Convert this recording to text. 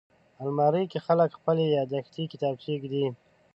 الماري کې خلک خپلې یاداښتې کتابچې ایږدي